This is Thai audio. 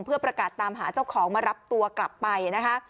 เพื่อประกาศตามหาเจ้าของมารับตัวกลับไปนะคะ